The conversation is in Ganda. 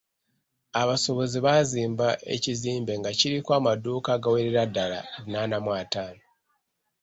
Abasuubuzi baazimba ekizimbe nga kiriko amaduuka agawerera ddala lunaana mu ataano.